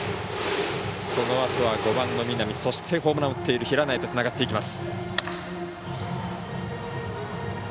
５番の南、ホームランを打っている平内へとつながっていきます。